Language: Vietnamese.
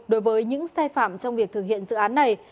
đối với những sai phạm trong việc thực hiện dự án này